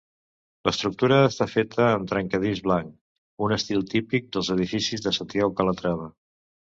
L'estructura està feta amb trencadís blanc, un estil típic dels edificis de Santiago Calatrava.